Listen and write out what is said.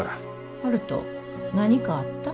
悠人何かあった？